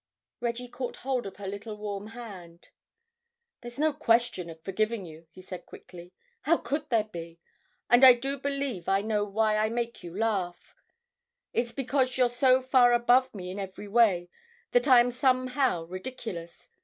Reggie caught hold of her little warm hand. "There's no question of forgiving you," he said quickly. "How could there be? And I do believe I know why I make you laugh. It's because you're so far above me in every way that I am somehow ridiculous.